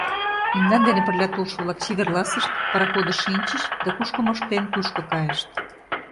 Мемнан дене пырля толшо-влак чеверласышт, пароходыш шинчыч да кушко моштен тушко кайышт.